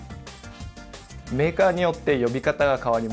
メーカーによって呼び方が変わります。